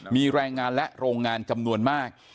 มีแรงงานและโรงงานจำนวนมาก